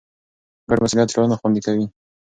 ګډ مسئولیت ټولنه خوندي کوي.